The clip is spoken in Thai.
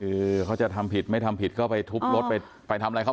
คือเขาจะทำผิดไม่ทำผิดก็ไปทุบรถไปทำอะไรเขา